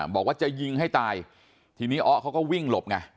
บอกว่าจะยิงให้ตายทีนี้อ๊ะเขาก็วิ่งหลบไง